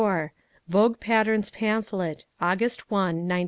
Vogue patterns pamphlet, August 1, 1946.